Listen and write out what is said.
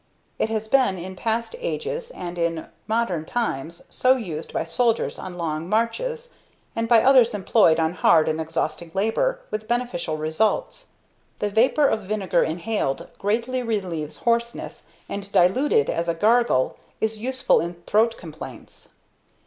It has been in past ages and in modern times so used by soldiers on long marches, and by others employed on hard and exhausting labour, with beneficial results. The vapour of vinegar inhaled greatly relieves hoarseness, and, diluted as a gargle, is useful in throat complaints.